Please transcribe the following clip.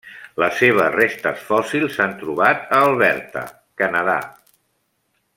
Les seves restes fòssils s'han trobat a Alberta, Canadà.